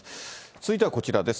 続いてはこちらです。